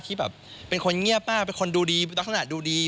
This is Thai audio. ที่เป็นคนเงียบมากเป็นคนดูดีตัวขนาดดูดี